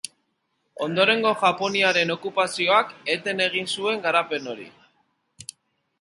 Ondorengo Japoniaren okupazioak, eten egin zuen garapen hori.